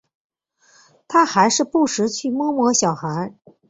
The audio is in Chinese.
他还是不时去摸摸小孩